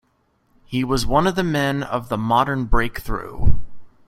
He was one of the men of "the Modern Break-through".